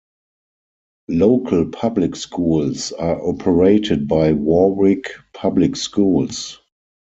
Local public schools are operated by Warwick Public Schools.